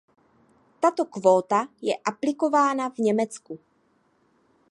Tato kvóta je aplikována v Německu.